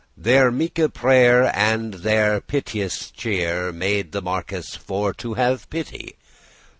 Their meeke prayer and their piteous cheer Made the marquis for to have pity.